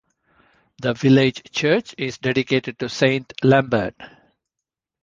The village church is dedicated to Saint Lambert.